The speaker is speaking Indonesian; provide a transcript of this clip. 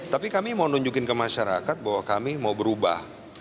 tapi kami mau nunjukin ke masyarakat bahwa kami mau berubah